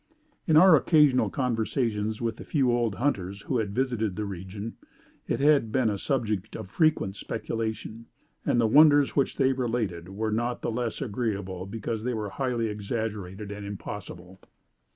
"In our occasional conversations with the few old hunters who had visited the region, it had been a subject of frequent speculation; and the wonders which they related were not the less agreeable because they were highly exaggerated and impossible.